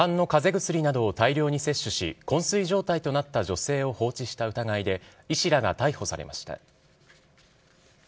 市販のかぜ薬などを大量に摂取し、こん睡状態となった女性を放置した疑いで、医師らが逮捕されました。